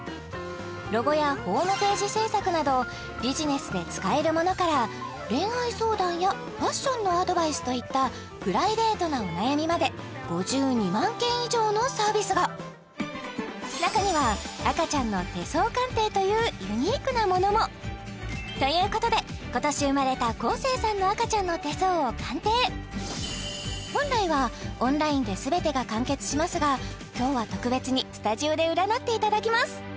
ロゴやホームページ制作などビジネスで使えるものから恋愛相談やファッションのアドバイスといったプライベートなお悩みまで５２万件以上のサービスが中には赤ちゃんの手相鑑定というユニークなものもということで今年生まれた昴生さんの赤ちゃんの手相を鑑定本来はオンラインですべてが完結しますが今日は特別にスタジオで占っていただきます